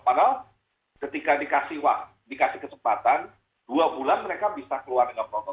padahal ketika dikasih waktu dikasih kesempatan dua bulan mereka bisa keluar dengan protokol